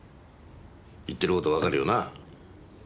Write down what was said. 言ってる事わかるよなあ？